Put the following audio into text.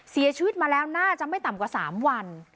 เสียชีวิตมาแล้วน่าจะไม่ต่ำกว่า๓วัน